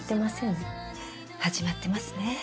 始まってますね。